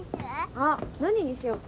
あっ何にしようか？